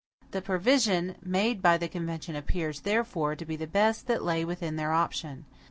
The provision made by the convention appears, therefore, to be the best that lay within their option.